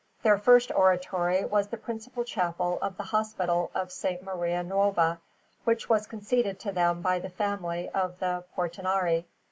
Their first oratory was the principal chapel of the Hospital of S. Maria Nuova, which was conceded to them by the family of the Portinari.